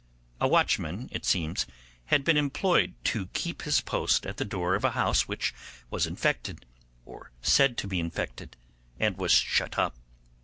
A watchman, it seems, had been employed to keep his post at the door of a house which was infected, or said to be infected, and was shut up.